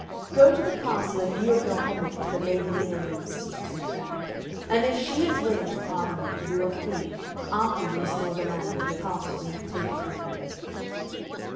'Go to the castle and yield your homage to the Lady Lyonors,' said Gareth. 'And if she is willing to pardon you, you are free, after you restore the lands and castles you have taken from her.'